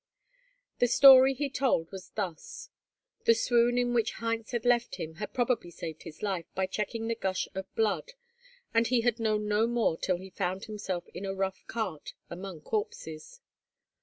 The story he told was thus. The swoon in which Heinz had left him had probably saved his life by checking the gush of blood, and he had known no more till he found himself in a rough cart among the corpses.